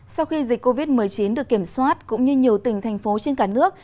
sau khi dịch covid một mươi chín được kiểm soát cũng như nhiều tỉnh thành phố trên cả nước